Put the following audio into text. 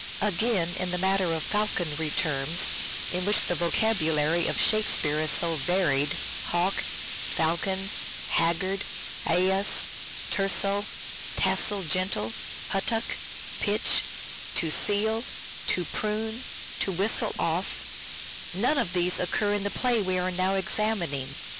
Again, in the matter of falconry terms, in which the vocabulary of Shakespeare is so varied, " hawk," "falcon," " haggard," "eyas," " tercel," " tassel gentle," " puttock," " pitch," " to seel," " to prune," " to whistle off "; none of these occur in the play we are now examining.